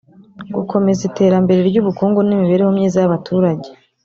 Gukomeza iterambere ry’ubukungu n’imibereho myiza y’abaturage